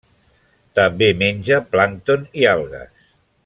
També menja plàncton i algues.